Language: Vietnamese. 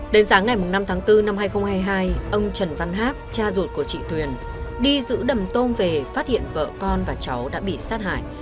đến sáng ngày năm tháng bốn năm hai nghìn hai mươi hai ông trần văn hát cha ruột của chị tuyền đi giữ đầm tôm về phát hiện vợ con và cháu đã bị sát hại